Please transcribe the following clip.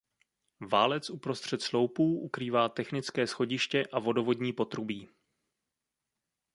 Válec uprostřed sloupů ukrývá technické schodiště a vodovodní potrubí.